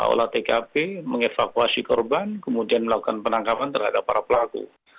olah tkp mengevakuasi korban kemudian melakukan penangkapan terhadap para pelaku